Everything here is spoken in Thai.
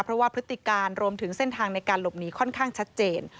เพราะว่าพฤติการรวมถึงเส้นทางในการหลบหนีค่อนข้างชัดเจน